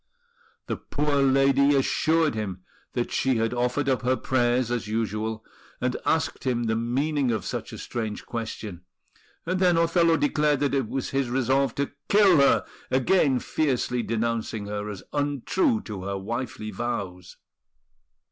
The poor lady assured him that she had offered up her prayers as usual, and asked him the meaning of such a strange question; and then Othello declared that it was his resolve to kill her, again fiercely denouncing her as untrue to her wifely vows.